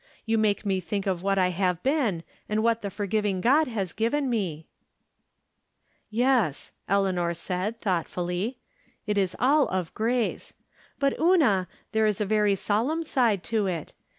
You make me think of what I have been, and what the forgiving God has given me ?"" Yes," Eleanor said, thoughtfully. " It is all of grace. But, Una, there is a very solemn side to it.